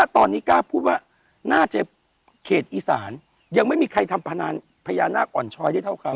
ตอนนี้กล้าพูดว่าน่าจะเขตอีสานยังไม่มีใครทำพญานาคอ่อนช้อยได้เท่าเขา